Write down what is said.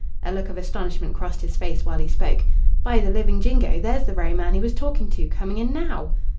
A look of astonishment crossed his face while he spoke. "By the living jingo, there's the very man he was talking to coming in now."